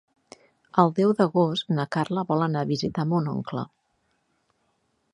El deu d'agost na Carla vol anar a visitar mon oncle.